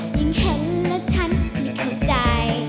ยิ่งเห็นแล้วฉันไม่เข้าใจ